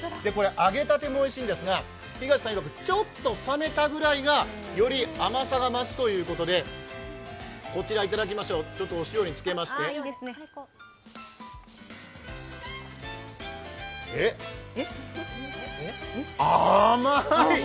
揚げたてもおいしいんですが、東さんいわく、ちょっと冷めたぐらいがより甘さが増すということでこちら、いただきましょうお塩につけましてえ、甘い！